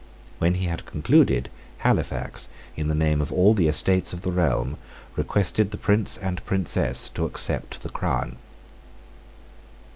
When he had concluded, Halifax, in the name of all the Estates of the Realm, requested the Prince and Princess to accept the crown.